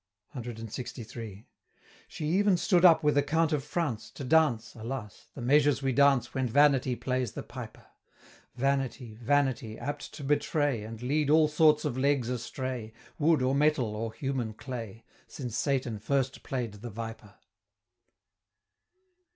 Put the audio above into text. CLXIII. She even stood up with a Count of France To dance alas! the measures we dance When Vanity plays the piper! Vanity, Vanity, apt to betray, And lead all sorts of legs astray, Wood, or metal, or human clay, Since Satan first play'd the Viper!